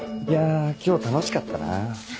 いや今日は楽しかったな。